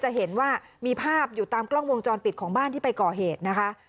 จะเห็นว่ามีภาพอยู่ตามกล้องวงจรปิดของบ้านที่ไปก่อเหตุนะคะ